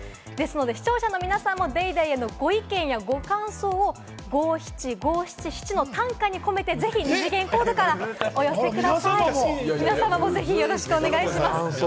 視聴者の皆さんも『ＤａｙＤａｙ．』へのご意見やご感想を五・七・五・七・七の短歌に込めて、ぜひ二次元コードからお寄せください。